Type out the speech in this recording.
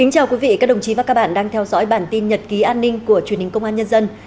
chào mừng quý vị đến với bản tin nhật ký an ninh của truyền hình công an nhân dân